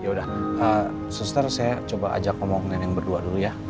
yaudah suster saya coba ajak ngomong nenek berdua dulu ya